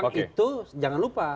yang itu jangan lupa